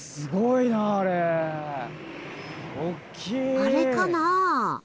あれかな？